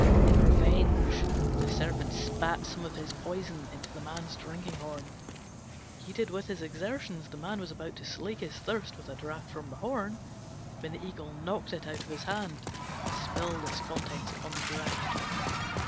In revenge the Serpent spat some of his poison into the man's drinking horn. Heated with his exertions, the man was about to slake his thirst with a draught from the horn, when the Eagle knocked it out of his hand, and spilled its contents upon the ground.